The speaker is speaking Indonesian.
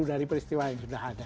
dari peristiwa yang sudah ada